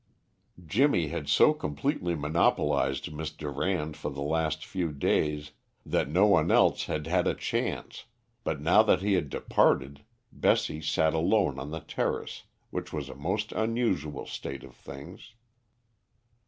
Jimmy had so completely monopolised Miss Durand for the last few days that no one else had had a chance, but now that he had departed, Bessie sat alone on the terrace, which was a most unusual state of things.